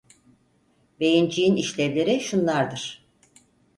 Beyinciğin işlevleri şunlardır: